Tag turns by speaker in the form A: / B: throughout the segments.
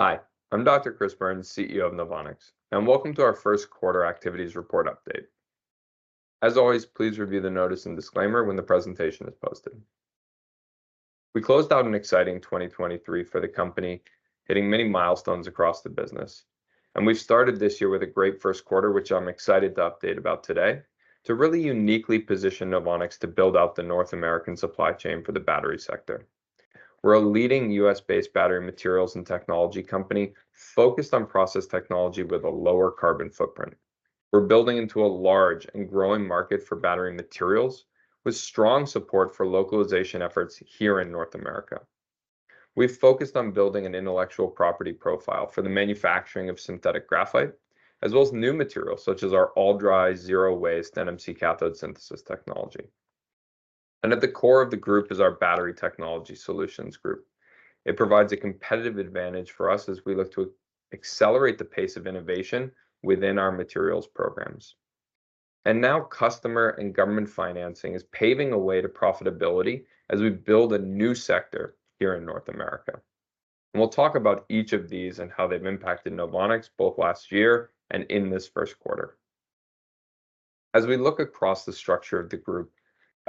A: Hi, I'm Dr. Chris Burns, CEO of NOVONIX, and welcome to our first quarter activities report update. As always, please review the notice and disclaimer when the presentation is posted. We closed out an exciting 2023 for the company, hitting many milestones across the business, and we've started this year with a great first quarter, which I'm excited to update about today, to really uniquely position NOVONIX to build out the North American supply chain for the battery sector. We're a leading U.S. based battery materials and technology company focused on process technology with a lower carbon footprint. We're building into a large and growing market for battery materials, with strong support for localization efforts here in North America. We've focused on building an intellectual property profile for the manufacturing of synthetic graphite, as well as new materials, such as our all-dry, zero-waste NMC cathode synthesis technology. At the core of the group is our Battery Technology Solutions group. It provides a competitive advantage for us as we look to accelerate the pace of innovation within our materials programs. And now, customer and government financing is paving a way to profitability as we build a new sector here in North America. We'll talk about each of these and how they've impacted NOVONIX both last year and in this first quarter. As we look across the structure of the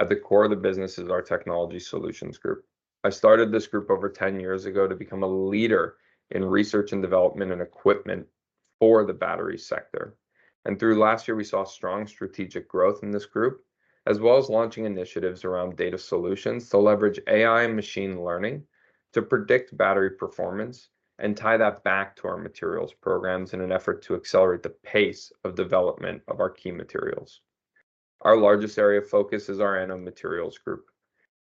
A: group, at the core of the business is our Technology Solutions group. I started this group over 10 years ago to become a leader in research and development and equipment for the battery sector. Through last year, we saw strong strategic growth in this group, as well as launching initiatives around data solutions to leverage AI and machine learning to predict battery performance and tie that back to our materials programs in an effort to accelerate the pace of development of our key materials. Our largest area of focus is our Anode Materials group,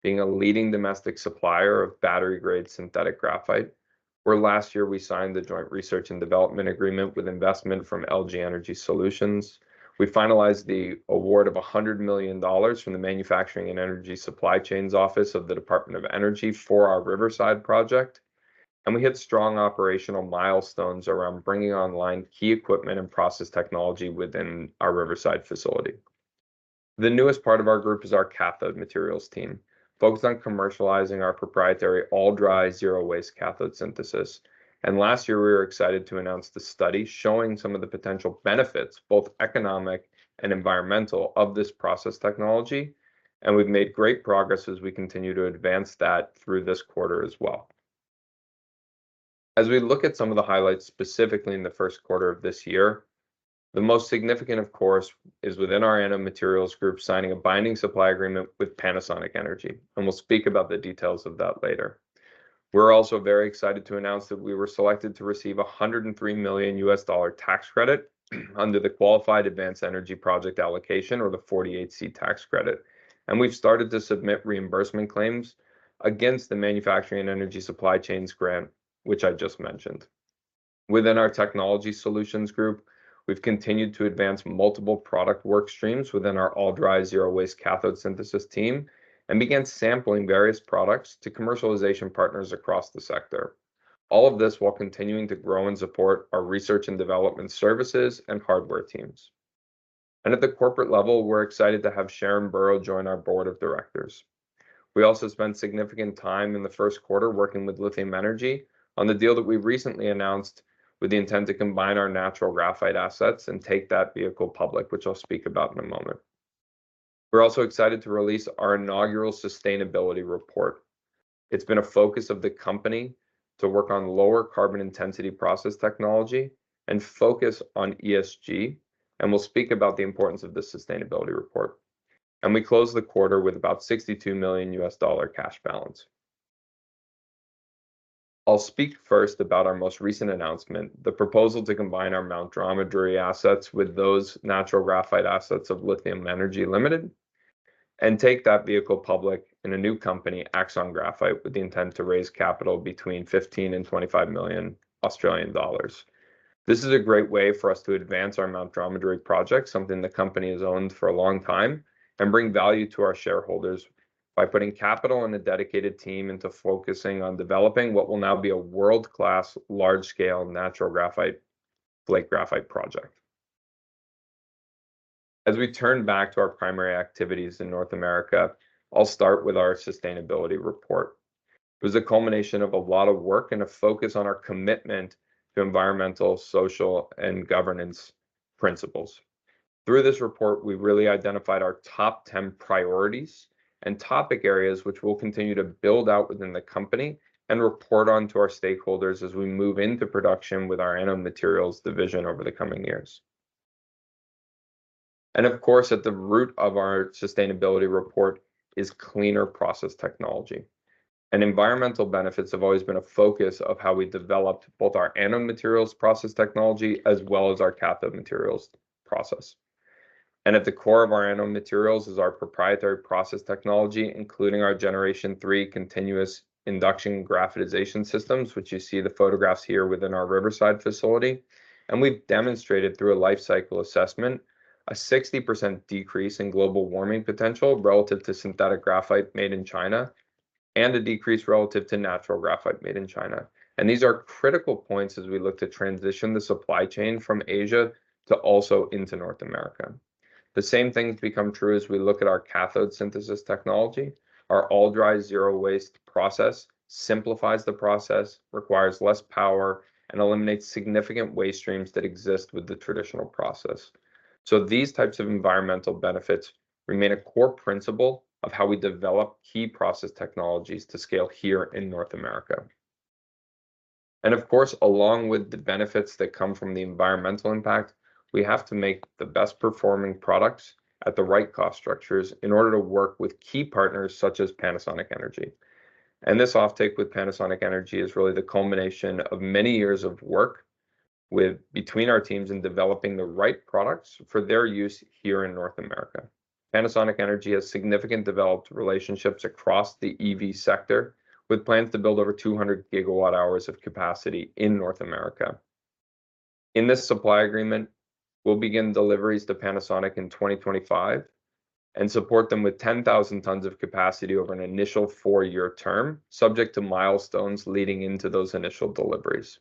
A: being a leading domestic supplier of battery-grade synthetic graphite, where last year we signed the joint research and development agreement with investment from LG Energy Solution. We finalized the award of $100 million from the Office of Manufacturing and Energy Supply Chains of the Department of Energy for our Riverside project, and we hit strong operational milestones around bringing online key equipment and process technology within our Riverside facility. The newest part of our group is our Cathode Materials team, focused on commercializing our proprietary all-dry, zero-waste cathode synthesis. Last year, we were excited to announce the study showing some of the potential benefits, both economic and environmental, of this process technology. We've made great progress as we continue to advance that through this quarter as well. As we look at some of the highlights, specifically in the first quarter of this year, the most significant, of course, is within our Anode Materials group, signing a binding supply agreement with Panasonic Energy, and we'll speak about the details of that later. We're also very excited to announce that we were selected to receive $103 million tax credit under the Qualified Advanced Energy Project allocation, or the 48C tax credit. We've started to submit reimbursement claims against the Manufacturing and Energy Supply Chains grant, which I just mentioned. Within our Technology Solutions group, we've continued to advance multiple product work streams within our all-dry, zero-waste cathode synthesis team and began sampling various products to commercialization partners across the sector. All of this while continuing to grow and support our research and development services and hardware teams. At the corporate level, we're excited to have Sharan Burrow join our board of directors. We also spent significant time in the first quarter working with Lithium Energy on the deal that we recently announced, with the intent to combine our natural graphite assets and take that vehicle public, which I'll speak about in a moment. We're also excited to release our inaugural sustainability report. It's been a focus of the company to work on lower carbon intensity process technology and focus on ESG, and we'll speak about the importance of this sustainability report. We closed the quarter with about $62 million cash balance. I'll speak first about our most recent announcement, the proposal to combine our Mt. Dromedary assets with those natural graphite assets of Lithium Energy Limited, and take that vehicle public in a new company, Axon Graphite, with the intent to raise capital between 15 million and 25 million Australian dollars. This is a great way for us to advance our Mt. Dromedary project, something the company has owned for a long time, and bring value to our shareholders by putting capital and a dedicated team into focusing on developing what will now be a world-class, large-scale, natural graphite-flake graphite project. As we turn back to our primary activities in North America, I'll start with our sustainability report. It was a culmination of a lot of work and a focus on our commitment to environmental, social, and governance principles. Through this report, we really identified our top 10 priorities and topic areas, which we'll continue to build out within the company and report on to our stakeholders as we move into production with our Anode Materials division over the coming years. And of course, at the root of our sustainability report is cleaner process technology. And environmental benefits have always been a focus of how we developed both our Anode Materials process technology, as well as our Cathode Materials process. And at the core of our Anode Materials is our proprietary process technology, including our Generation Three continuous induction graphitization systems, which you see the photographs here within our Riverside facility. We've demonstrated, through a life cycle assessment, a 60% decrease in global warming potential relative to synthetic graphite made in China and a decrease relative to natural graphite made in China. These are critical points as we look to transition the supply chain from Asia to also into North America. The same things become true as we look at our cathode synthesis technology. Our all-dry, zero-waste process simplifies the process, requires less power, and eliminates significant waste streams that exist with the traditional process. So these types of environmental benefits remain a core principle of how we develop key process technologies to scale here in North America. Of course, along with the benefits that come from the environmental impact, we have to make the best-performing products at the right cost structures in order to work with key partners such as Panasonic Energy. This offtake with Panasonic Energy is really the culmination of many years of work with between our teams in developing the right products for their use here in North America. Panasonic Energy has significant developed relationships across the EV sector, with plans to build over 200 GWh of capacity in North America. In this supply agreement, we'll begin deliveries to Panasonic in 2025 and support them with 10,000 tons of capacity over an initial four-year term, subject to milestones leading into those initial deliveries.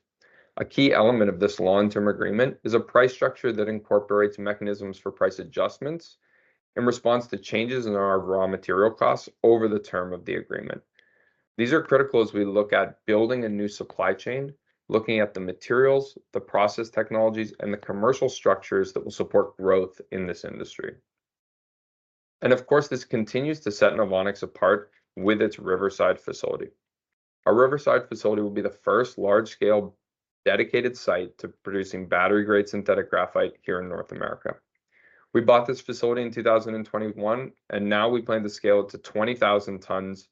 A: A key element of this long-term agreement is a price structure that incorporates mechanisms for price adjustments in response to changes in our raw material costs over the term of the agreement. These are critical as we look at building a new supply chain, looking at the materials, the process technologies, and the commercial structures that will support growth in this industry. Of course, this continues to set NOVONIX apart with its Riverside facility. Our Riverside facility will be the first large-scale, dedicated site to producing battery-grade synthetic graphite here in North America. We bought this facility in 2021, and now we plan to scale it to 20,000 tons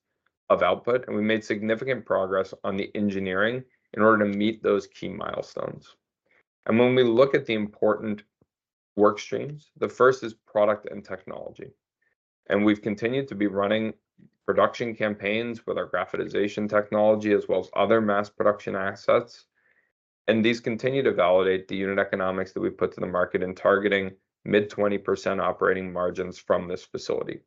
A: of output, and we made significant progress on the engineering in order to meet those key milestones. When we look at the important work streams, the first is product and technology. We've continued to be running production campaigns with our graphitization technology, as well as other mass production assets, and these continue to validate the unit economics that we put to the market in targeting mid-20% operating margins from this facility.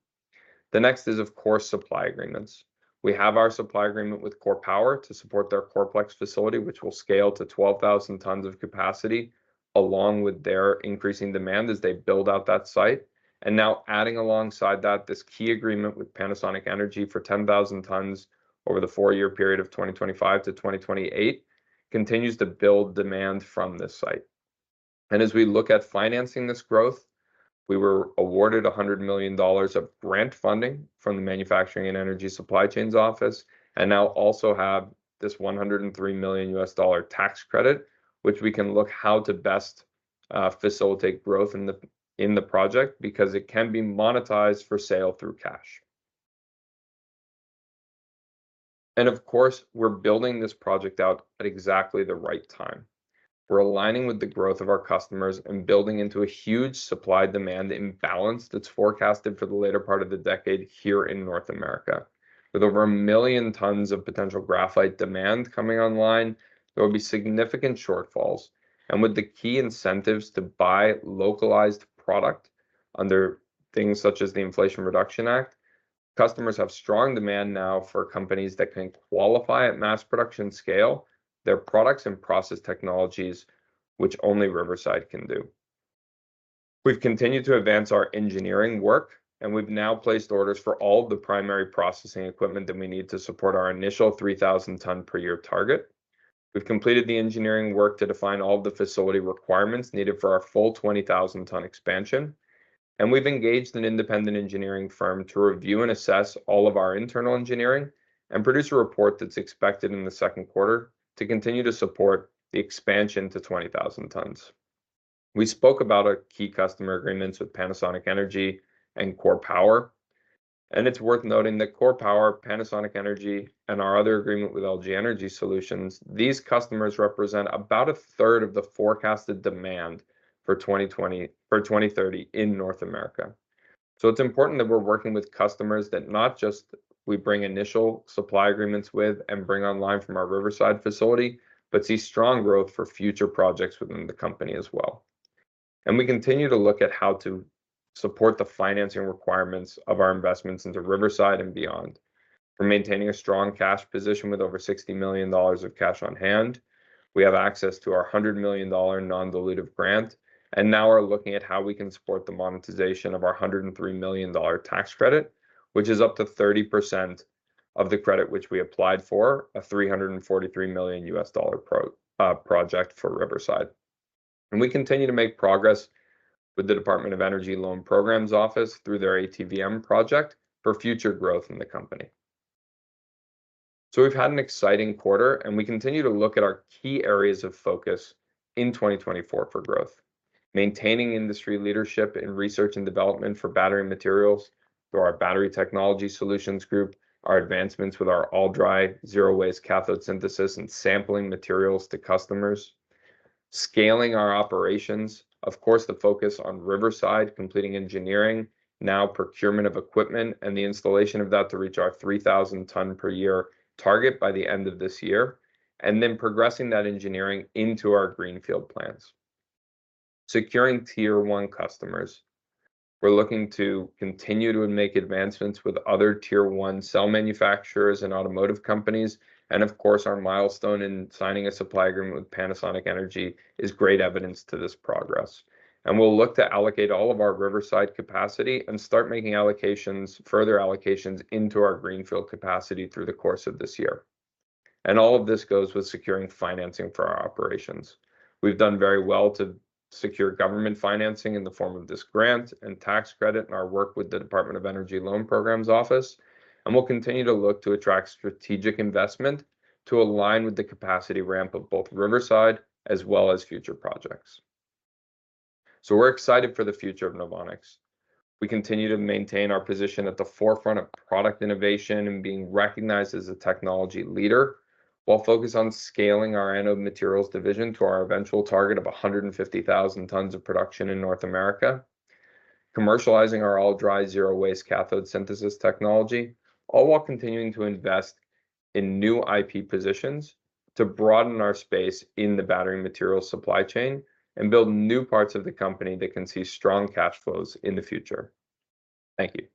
A: The next is, of course, supply agreements. We have our supply agreement with KORE Power to support their KOREPlex facility, which will scale to 12,000 tons of capacity, along with their increasing demand as they build out that site. And now adding alongside that, this key agreement with Panasonic Energy for 10,000 tons over the four-year period of 2025 to 2028 continues to build demand from this site. And as we look at financing this growth, we were awarded $100 million of grant funding from the Office of Manufacturing and Energy Supply Chains, and now also have this $103 million tax credit, which we can look how to best facilitate growth in the project, because it can be monetized for sale through cash. And of course, we're building this project out at exactly the right time. We're aligning with the growth of our customers and building into a huge supply-demand imbalance that's forecasted for the later part of the decade here in North America. With over 1 million tons of potential graphite demand coming online, there will be significant shortfalls, and with the key incentives to buy localized product under things such as the Inflation Reduction Act, customers have strong demand now for companies that can qualify at mass production scale, their products and process technologies, which only Riverside can do. We've continued to advance our engineering work, and we've now placed orders for all the primary processing equipment that we need to support our initial 3,000 ton per year target. We've completed the engineering work to define all the facility requirements needed for our full 20,000-ton expansion, and we've engaged an independent engineering firm to review and assess all of our internal engineering and produce a report that's expected in the second quarter to continue to support the expansion to 20,000 tons. We spoke about our key customer agreements with Panasonic Energy and KORE Power, and it's worth noting that KORE Power, Panasonic Energy, and our other agreement with LG Energy Solution, these customers represent about a third of the forecasted demand for 2020-2030 in North America. So it's important that we're working with customers that not just we bring initial supply agreements with and bring online from our Riverside facility, but see strong growth for future projects within the company as well. And we continue to look at how to support the financing requirements of our investments into Riverside and beyond. We're maintaining a strong cash position with over $60 million of cash on hand. We have access to our $100 million non-dilutive grant, and now we're looking at how we can support the monetization of our $103 million tax credit, which is up to 30% of the credit which we applied for, a $343 million US dollar project for Riverside. And we continue to make progress with the Department of Energy Loan Programs Office through their ATVM project for future growth in the company. So we've had an exciting quarter, and we continue to look at our key areas of focus in 2024 for growth. Maintaining industry leadership in research and development for battery materials through our Battery Technology Solutions group, our advancements with our all-dry, zero-waste cathode synthesis and sampling materials to customers. Scaling our operations, of course, the focus on Riverside, completing engineering, now procurement of equipment and the installation of that to reach our 3,000 tons per year target by the end of this year, and then progressing that engineering into our greenfield plans. Securing Tier One customers. We're looking to continue to make advancements with other Tier One cell manufacturers and automotive companies, and of course, our milestone in signing a supply agreement with Panasonic Energy is great evidence to this progress. We'll look to allocate all of our Riverside capacity and start making allocations, further allocations into our greenfield capacity through the course of this year. All of this goes with securing financing for our operations. We've done very well to secure government financing in the form of this grant and tax credit and our work with the Department of Energy Loan Programs Office, and we'll continue to look to attract strategic investment to align with the capacity ramp of both Riverside as well as future projects. So we're excited for the future of NOVONIX. We continue to maintain our position at the forefront of product innovation and being recognized as a technology leader, while focused on scaling our Anode Materials division to our eventual target of 150,000 tons of production in North America, commercializing our all-dry, zero-waste cathode synthesis technology, all while continuing to invest in new IP positions to broaden our space in the battery material supply chain and build new parts of the company that can see strong cash flows in the future. Thank you.